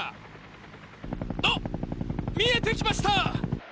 あっ見えてきました！